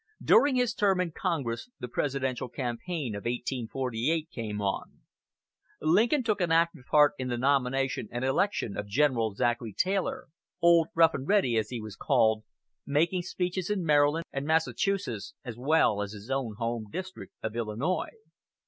During his term in Congress the Presidential campaign of 1848 came on. Lincoln took an active part in the nomination and election of General Zachary Taylor "Old Rough and Ready," as he was called making speeches in Maryland and Massachusetts, as well as in his own home district of Illinois.